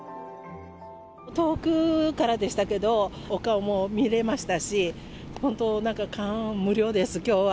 遠くからでしたけど、お顔も見れましたし、本当なんか、感無量です、きょうは。